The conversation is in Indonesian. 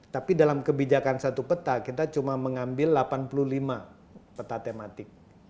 tapi dalam kebijakan satu peta kita cuma mengambil delapan puluh lima peta tematik